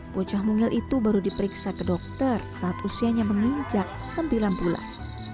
bocah mungil itu baru diperiksa ke dokter saat usianya menginjak sembilan bulan